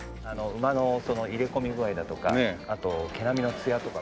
馬の入れ込み具合だとかあと毛並みのつやとか。